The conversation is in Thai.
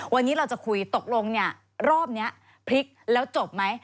วันนี้เราจะคุยตกลงเนี่ยรอบนี้พลิกแล้วจบไหม